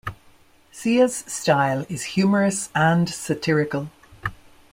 Sia's style is humorous and satirical.